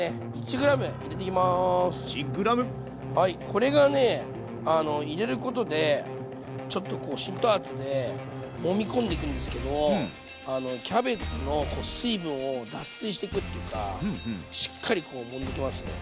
これがね入れることでちょっとこう浸透圧でもみ込んでいくんですけどキャベツの水分を脱水していくっていうかしっかりこうもんでいきますね。